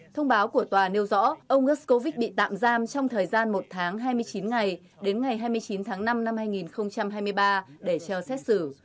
thông báo của tòa nêu rõ ông escovite bị tạm giam trong thời gian một tháng hai mươi chín ngày đến ngày hai mươi chín tháng năm năm hai nghìn hai mươi ba để cho xét xử